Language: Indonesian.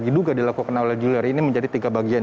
diduga dilakukan oleh juliari ini menjadi tiga bagian